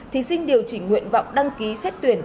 thí sinh điều chỉnh nguyện vọng đăng ký xét tuyển